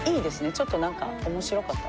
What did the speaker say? ちょっとなんか面白かった。